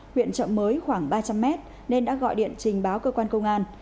huyện trợ mới khoảng ba trăm linh mét nên đã gọi điện trình báo cơ quan công an